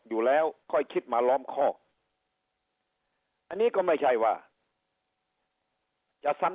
อยู่แล้วค่อยคิดมาล้อมคอกอันนี้ก็ไม่ใช่ว่าจะซ้ำ